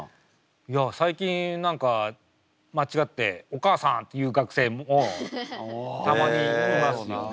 いや最近何か間違って「お母さん」って言う学生もたまにいますよね。